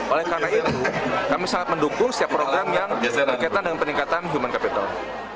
oleh karena itu kami sangat mendukung setiap program yang berkaitan dengan peningkatan human capital